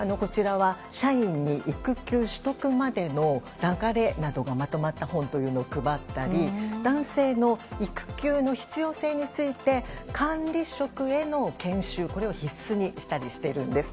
社員に育休取得までの流れなどがまとまった本というのを配ったり男性の育休の必要性について管理職への研修を必須にしたりしているんです。